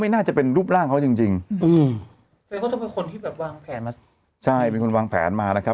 ไม่น่าจะเป็นรูปร่างเดี๋ยวจริงวางแผนมานะ